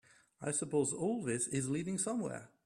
I suppose all this is leading somewhere?